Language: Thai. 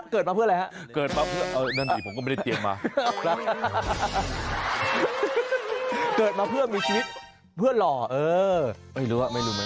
เกิดมากินแล้วพวกเราเกิดมาเพื่ออะไรฮะ